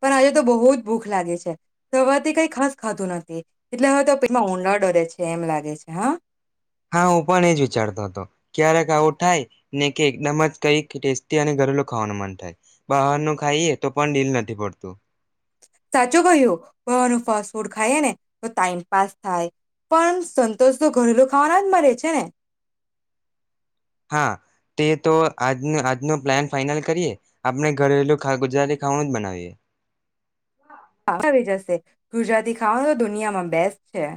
પણ આજે તો બહુ જ ભૂખ લાગે છે સવારથી કઈ ખાસ ખાતું નથી એટલે હવે તો પેટમાં ઉંદરડા દોડે છે એમ લાગે છે હા. હા હું પણ એ જ વિચારતો હતો ક્યારેક આવું ત્યારે ઘરેલુ ખાવાનું મન થાય. બહાર નું ખાઈએ તો પણ દિલ નથી ભરતું. તો સાચો કહ્યું [unintelligible] ફસ છોડ ખાઈએ ને તો ટાઈમપાસ થાય પણ સંતોષ તો ઘરેલુ ખાવાના જ મળે છે ને. હા તે તો આજ આજનો પ્લાન ફાઈનલ કરીએ આપણે ઘરેલું ગુજરાતી ખાવાનું જ બનાવીએ. હ આવી જશે ગુજરાતી ખાવાનું તો દુનિયામાં બેસ્ટ છે.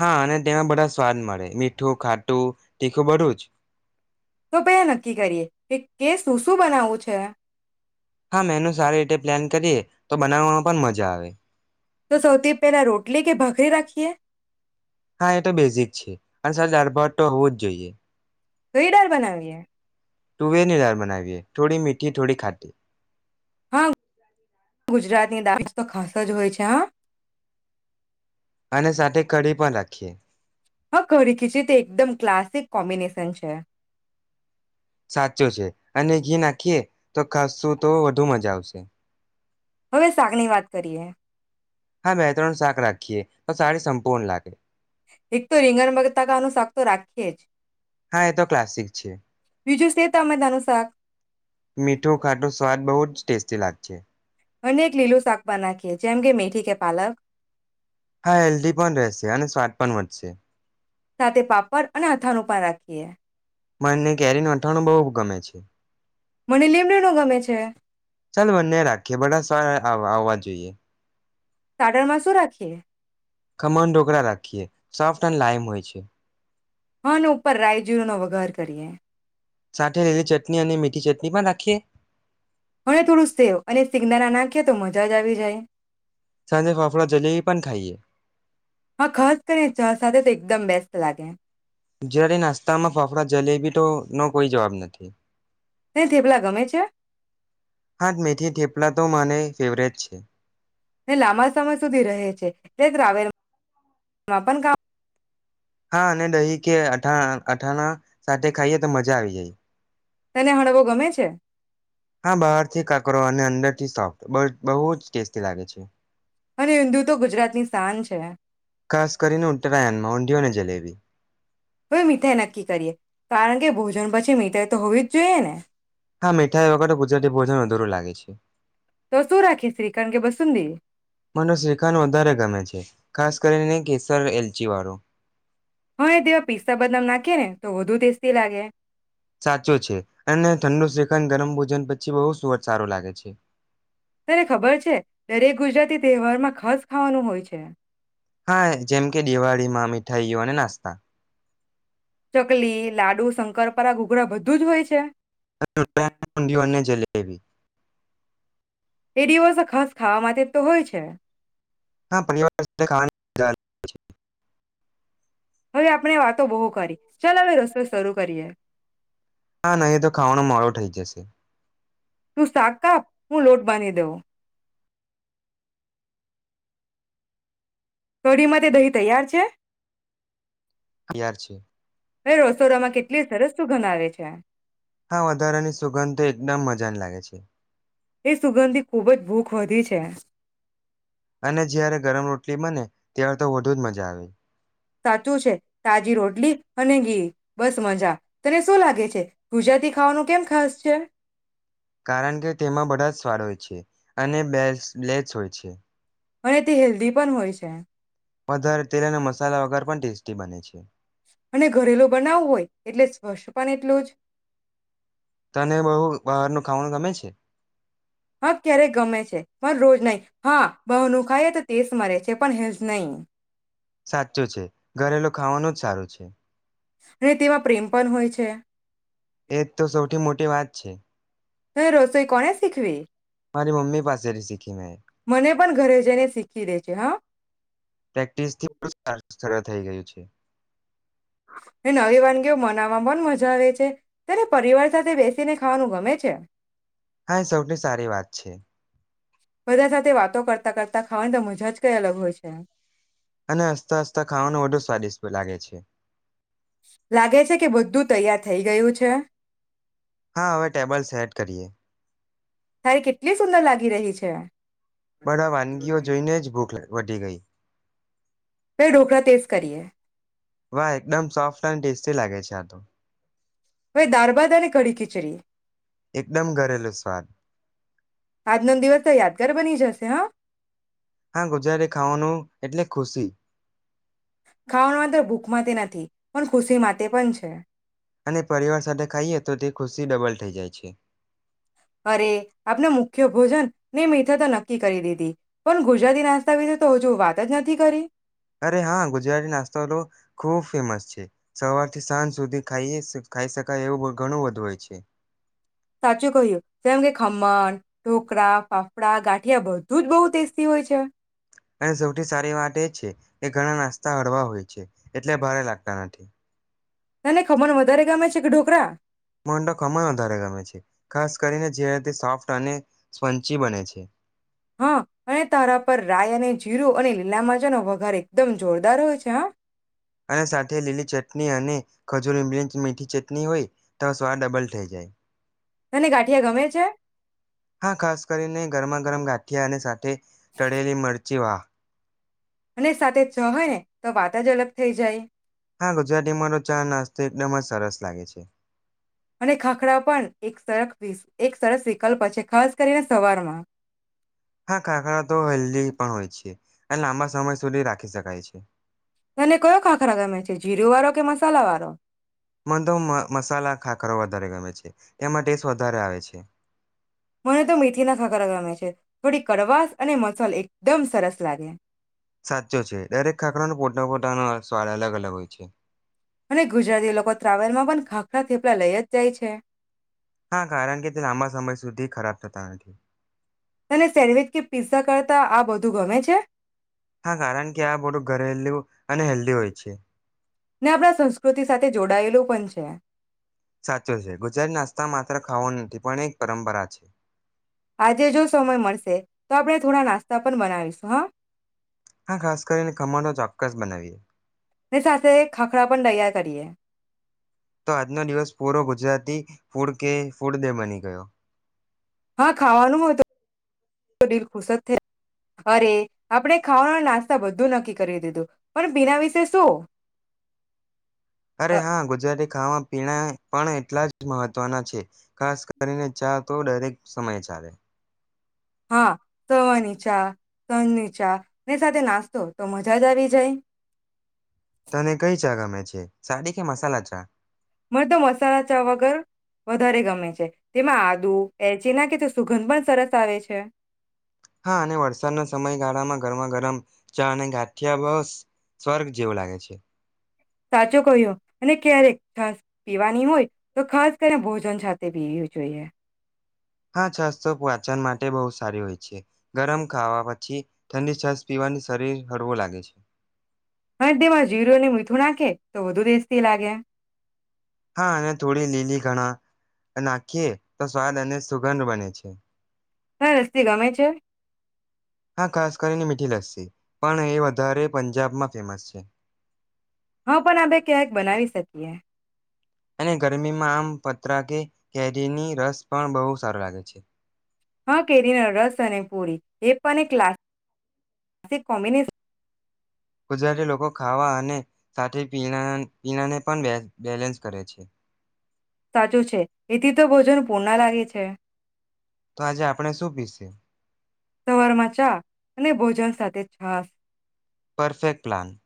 હા અને તેમાં બધા સ્વાદ મળે મીઠું ખાટું તીખું બધું જ તો પે નક્કી કરીએ કે કેસ શું શું બનાવવું છે. હા મેનુ સારી રીતે પ્લાન કરીએ તો બનાવવામાં પણ મજા આવે. તો સૌથી પહેલા રોટલી કે ભાખરી રાખી કે હા એ તો બેઝિક છે અને સાથે દાળ ભાત હતો હોવું જ જોઈએ. તો ઈ ડાળ બનાવીએ. તુવેરની ડાળ બનાવીએ. થોડી મીઠી થોડી ખાટી. હા ગુજરાતી દ તો ખાસ જ હોય છે હા. અને સાથે કડી પણ રાખીએ. હા કઢી ખીચડી તે એકદમ ક્લાસ શિક કોમ્બિનેશન છે. સાચો છે અને ઘી નાખીએ તો ખાસું તો વધુ મજા આવશે. હવે શાક ની વાત કરીએ. હા મે ત્રણ શાક રાખીએ, તો સાડી સંપૂર્ણ લાગે. એક તો રિંગન બટાકાનું શાક તો રાખીએ છે. હા એ તો ક્લાસિક છે બીજું છે ટામેટાનું શાક મીઠું ખાટું સ્વાદ બહુ જ ટેસ્ટી લાગત છે. અને એક લીલું શાક બ નાખીએ જેમ કે મેથી કે પાલક હા હેલ્ધી પણ રહેશે અને સ્વાદ પણ વધ છેે. સાથે પાપડ અને હાથા નું પણ રાખીએ મને એ કેરીને અથાણું બો બહુ ગમે છે. મને લીમડી નો ગમે છે. આવ આવવા જોઈએ. સાટર મા સો રાખીએ. ખમન ઢોકળા રાખીએ સોફ્ટ એન્ડ લાાઈમ હોય છે. હા અને ઉપર રાય જીરુ નો વઘાર કરીએ. સાથે લીલી ચટણી અને મીઠી ચટણી પણ રાખીએ. મને થોડું સેવ અને સીંગદાણા નાખ્યા તો તો મજા જ આવી જાય સાંજે ફાફડા જલેબી પણ ખાઈએ હા ખાસ કરીને ચા સાથે તો એકદમ બેસ્ટ. લાગે. ગુજરાતી નાસ્તામાં ફફડા જલેબી તો નો કોઈ જવાબ નથી. તને થેપલા ગમે છે? હા મેથી થેપલા તો મને ફેવરેટ છે. એ લાંબા સમય સુધી રહે છે. તે [unintelligible] મા પણ કામ હા ને દહી કે અઠાણ અથાણા સાથે ખાઈએ તો મજા આવી જાય. તને હળવો ગમે છે? હા બહાર થી કાકરો અને અંદર થી સોફ્ટ બો બહુ જ ટેસ્ટી લાગે છે. અરે ઊંધિયું તો ગુજરાતની શાન છે. ખાસ કરીને ઉત્તરાયણમાં ઊંધિયું અને જલેબી. હવે મીઠાઈ નક્કી કરીએ કારણ કે ભોજન પછી મીઠાઈ તો હોવી જ જોઈએ ને. હા મીઠાઈ વગટ ગુજરાતી ભોજન આ ધૂર લાગે છે. તો શું રાખીએ શ્રીખંડ કે બસુંદી મનો શ્રીખંડ વધારે ગમે છે ખાસ કરીને કેસર એ. જીવરો. હા એ દેવા પિસ્તા બદલામ નાખીએ ને. તો વધુ ટેસ્ટી લાગે. સાચો છે અને ઠંડો શ. ન ગરમ ભોજન પછી બહુ સુ સારો લાગે છે. તને ખબર છે દરેક ગુજરાતી. તહેવારમાં ખાસ ખાવાનું હોય છે. હા જેમ કે દિવાળીમાં મી. ઠાઈ યો અને નાસ્તા. ચકલી લાડુ શંકરપરા ઘૂઘરા બધું જ હોય છે. [unintelligible] ઊડિયુ અને જલેબી. એ દિવસ ખાસ ખાવા માટે તો હોય છે. હા પરિવાર સાથે [unintelligible] હવે આપણે વાતો બહુ કરી ચાલ હવે રસોઈ શરૂ કરીએ હ, નહી તો ખાવાનો મોળો થઇ જશે. તું શાક કાપ હું લોટ બાંધી દેઉ. કઢીમાં તે દહીં તૈયાર છે? તૈયાર છે ભઈ રસોડામાં કેટલી સરસ શું ગનાવે છે? આ વધારાની સુગંધ એકદમ મજાની લાગે છે. એ સુગંધી ખૂબ જ ભૂખ ખધી છે. અને જ્યારે ગરમ રોટલી બને ત્યારે તો વઢું જ મજા આવે. સાચું છે. તાજી રોટલી અને ઘી બસ મજા. તને શું લાગે છે? ગુજરાતી ખાવાનું કેમ ખાસ છે? કારણ કે, તેમાં બધા જ સ્વાડ હોય છે. અને બેલ્સ બ્લેટ્સ હોય છે. અને તે હેલ્ધી પણ હોય છે. વધારે તેલ અને મશ મસાલા વગર પણ ટેસ્ટી બને છે. અને ઘરેલું બનાવવું હોય એટલે સ્પર્શ પન એટલું જ તને બહુ બાહરનું ખાવાનું ગમે છે? હા, ક્યારેક ગમે છે પણ રોજ નહી. હા, બહુ નુખાયે તો ટેસ મરે છે પણ હેલ્સ નહીં. સાચું છે. ઘરેલુ ખાવાનું જ સારૂ. છે. અને તેમાં પ્રેમ પન હોય છે. એ જ તો સૌથી મોટી વાત છે. હે રોસોઈ કોણે શીખવી? મારી મમ્મી પાસેથી શીખી મેં મને પણ ઘરે જઈને શીખી દે છે હ. પ્રેક્ટિસથી સરળ થઈ ગયું છે. કેઓ મનાવામાં પન મજા આવે છે, તને પરિવાર સાથે બેસીને ખાવાનું ગમે છે? હા સૌથી સારી વાત છે. બધા સાથે વાતો કરતા કરતા ખાવાની તો મજા જ કઈ અલગ હોય છે. અને હસતા હસતા ખાવાનું બધુ સ્વાદિષ્ટ લાગે છે. છે. લાગે છે કે બધ્ધું તૈયાર થઈ ગયું છે. હા હવે ટેબલ સેટ કરીએ. તારી કેટલી સુંદર લાગી રહી છે. બધા વાનગીઓ જોઈને જ ભૂખ વધી ગઈ. મેે ઢોકળ ટેસ્ટ કરીએ. તે લાગે છે આતો. હવે દારભાત અને કડી ખીચડી, એકદમ ઘરેલુ સ્વાદ આજનો દિવસ તો યાદગાર બની જશે. છે હા. હા ગુજારે ખાવાનું એટલે ખુશી. ખાવાનું માત્ર ભૂખ માટે નથી. પણ ખુશી માટે પણ છે. અને પરિવાર સાથે ખાઈએ તો તે ખુશી ડબલ છે. થઇ જાય છે. અરે આપના મુખ્ય ભોજન ને મીઠા તો નક્કી કરી દીધી, પણ ગુજરાતી નાસ્તા વિશે તો હજુ વાત જ નથી કરી. અરે હા ગુજરાતી નાસ્તો તો, ખૂબ ફેમસ છે, સવારથી સાંજ સુધી ખાઈ શકાય એવું ઘણું બધુ હોય છે. સાચું કહ્યું, કેમ કે ખ મન, ઢોકળા, ફાફડા, ગાંઠિયા બધું જ બહુ ટેસ્ટી હોય છે. અને સૌથી સારી વાત એ છે એ ઘણા નાસ્તા હળવા હોય છે. એટલે ભારે લાગતા નથી. તને ખમર વધારે ગમે છે કે ઢોકરા? મને તો ખમણ વધારે ગમે છે, ખાસ કરીને જ્યારે તે સોફ્ટ અને સ્પંચી બને છે હા અને તારા પર રાય અને જીરું અને લીલા મરચાનો વઘાર એકદમ જોરદાર હોય છે હા. અને સાથે લીલી ચટણી અને ખજૂર ઇમલી ની મીઠી ચટણી હોય, તો સ્વાદ ડબલ થઈ જાય. તને ગાંઠિયા ગમે છે [unintelligible] હા ખાસ કરીને ગરમા ગરમ ગા ઠ્યા અને સાથે તળેલી મરચી વાહ. અને સાથે ચા હોય ને તો વાત જ અલગ થઈ જાય. હા ગુજરાતી માનો ચા નાસ્તો એકદમ જ સરસ લાગે છે. અને ખાખડા પણ. એક સર એક સરસ વિકલ્પ છે ખાસ કરીને સવારમાં. હા ખાખરા તો હેલ્ધી પણ હોય છે, અને લાંબા સમય સુધી રાખી ખી સકાઈ છે. તને કયો ખાંખરા ગમે છે જીરું વાળો કે મ સલાવારો. મધો મસાલા ખા કરો વધારે ગમે છે? એમાં ટેસ્ટ વધારે આવે છે. મને તો મેથી ના ખાખરા ગમે છે. થોડી કડવાસ અને મસલ એકદમ સરસ લાગે. સાચો છે દરેક ખાખરાનો પોતા પોતાનો સ્વાદ અલગ અલગ હોય છે. અમે ગુજરાતી લોકો ટ્રાવેલ માં મજા આવે છે. આપણા થેપલા લઈ જ જાય છે. હા કારણ કે તે લાંબા સમય સુધી ખરાબ થતા નથી. તને સેન્ડવિચ કે પીઝા કરતા આ બધું ગમે છે? હા કારણ કે આ બધું ઘરેલું અને હેલ્ધી હોય છે [inaudible] ને આપણા સંસ્કૃતિ સાથે જોડાયેલું પ છે. સાચું છે ગુજરાત નાસ્તા માત્ર ખાવા ખાવા માટે નથી પણ એ એક પરંપરા છે. આજે જો સમય મળશે, તો આપણે થોડા નાસ્તો પણ બનાવીશું હ. હા ખાસ કરીને ખમણ ચોક્કસ બનાવીએ. ની સાથે ખાખરા પણ તૈયાર કરીએ. તો આજનો દિવસ પૂરો ગુજરાતી ફૂડ કે ફૂડ દે બ બંને. ગયો હા ખાવાનું હો હત હોત તો. દિલ ખુશ જ થઈ અરે આપણે ખાવાના નાસ્તા બધું નક્કી કરી દીધું પણ બીના ભ વિશે શું. અ અરે હા ગુજરાતી ખાવા પીવા પણ એટલા જ મહત્વના છે ખાસ કરીને ચા તો દરેક સમય ચાલે હા સવારની ચા ની ચા સાંજ ની ચા ની સાથે નાસ્તો તો મજા જ આવી જાય. તને કઈ ચા ગમે છે સાદી કે મસાલા ચા મને તો મસાલા ચા વગર વધારે ગમે છે તેમાં આદુ એલચી ના કે તે સુગંધ પણ સરસ આવે છે. હા અને વરસાદના સમયગાળામાં ગરમા ગરમ ચા અને ગાંઠિયા બ સ સ્વર્ગ જેવો લાગે છે. સાચો કહયો અને ક્યારેક છાસ પીવાની હોય તો ખાસ કરીને ભોજન સાથે પીવી જોઈએ. હા છાશ તો પાચન માટે બહુ સારી હોય છે ગરમ ખાવા પછી ઠંડી છાશ પીવાનું શરીર હળવું લાગે છે. હ તેમાં જીરું ને મીઠું નાખે તો વધુ ડેસ્ટી લાગે. હા અને થોડી નીની કણા નાખીએે તો સ્વાદ અને સુગંધ બને છે. હ લસી ગમે છે? હા ખાસ કરીને મીઠી લસ્સી. પણ એ વધારે પંજાબમાં ફેમસ છે. હા પણ આપે કેક બનાવી શકીએ અને ગરમીમાં આમ પતરા કે કેરીની રસ પણ બહુ સારો લાગે છે. હા કેરીનો રસ અને પૂરી એ પણ એક ક્લાસિક કોમ્બિનેશન ગુજરાતી લોકો ખાવા અને સાથે પીણા પીણાને પણ બેલેન્સ કરે છે. સાચું છે એથી તો ભોજન પૂણા લાગે છે. તો આજે આપણે શું પીશે? સવરમાં ચા અને ભોજન સાથે છાસ. Perfect plan.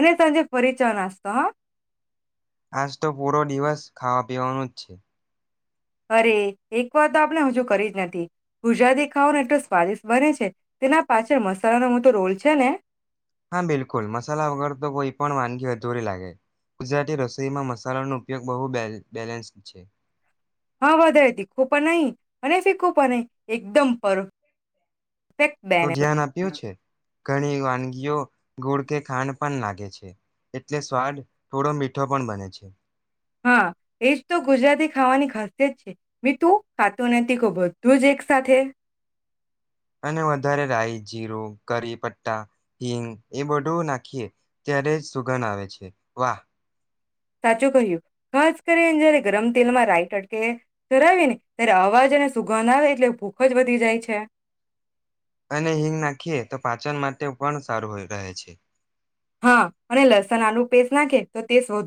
અને સાંજે ફરી ચા-નાસ્તા હ. આજ તો પૂરો દિવસ ખાવા પીવાનું જ છે. અરે એક વાત તો આપણે હજુ કરી જ નથી ગુજરાતી ખાવાનો એટલો સ્વાદિષ્ટ બને છે તેના પાછળ મસાલાનો મોટો રોલ છે ને. હા બિલકુલ મસાલા વગર તો કોઈ પણ વાનગી અધૂરી લાગે. ગુજરાતી રસોઈમાં મસાલાનો ઉપયોગ બહુ બે બેલેન્સ્ છે. હા વધારે તીખો પણા નહીં અને ફી ખોપા નહી એકદમ પર તો ધ્યાન આપ્યું છે ઘણી વાનગીઓ ગોળ કે ખાંડ પણ લાગે છે એટલે સ્વાદ થોડો મીઠો પણ બને છે. હા એજ તો ગુજરાતી ખાવાની ખાસ યત છે. મીઠું, ખાટુ અને તીખું બધું જ એક સાથે. અને વધારે રાઈ, જીરું, કરી પટ્ટા, હિંગ એ બધું નાખીએ, ત્યારે જ સુગંધ આવે છે. વાહ! સાચું કહ્યું ખાસ કરીને જયારે ગરમ તેલમાં રાઈટટકે ધરાવી ને ત્યારે અવાજ અને સુગંધ આવે એટલે ભૂખ જ વધી જાય છે. અને હિંગ નાખીએે તો પાચન માટ તે પણ સારું [inaudible] છે. હા અને લસણ આનું પેસ્ટ નાખે તો તેસ્ટ વધુ